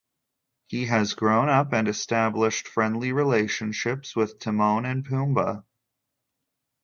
He has grown up and established friendly relationships with Timon and Pumbaa.